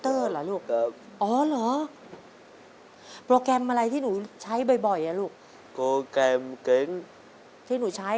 ตอนนี้จะมีเวลาใด